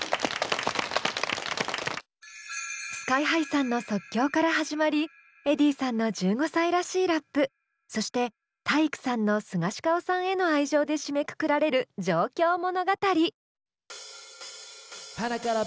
ＳＫＹ−ＨＩさんの即興から始まりｅｄｈｉｉｉさんの１５歳らしいラップそして体育さんのスガシカオさんへの愛情で締めくくられる上京物語。